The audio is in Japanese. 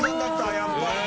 やっぱり。